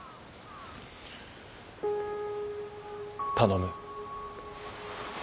頼む。